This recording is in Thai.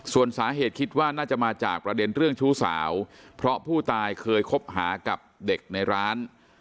ส่วนสาเหตุคิดว่าน่าจะมาจากประเด็นเรื่องชู้สาวเพราะผู้ตายเคยคบหากับเด็กในร้าน